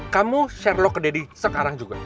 kamu share lo ke deddy sekarang juga